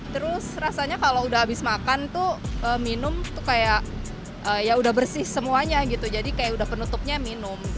terus rasanya kalau udah habis makan tuh minum tuh kayak ya udah bersih semuanya gitu jadi kayak udah penutupnya minum